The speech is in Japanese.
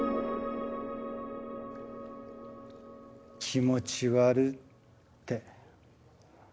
「気持ち悪」って。